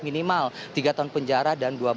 minimal tiga tahun penjara dan